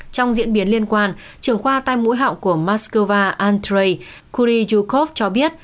trong diễn biến liên quan trưởng khoa tai mũi hậu của moscow antrey kurychukov cho biết